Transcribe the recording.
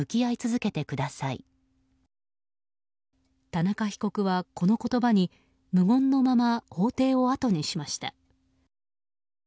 田中被告はこの言葉に無言のまま法廷をあとにしました。